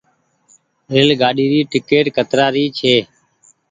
ريل گآڏي ري ٽيڪٽ ڪترآ ري ڇي۔